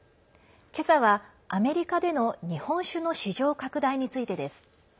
今朝は、アメリカでの日本酒の市場拡大についてです。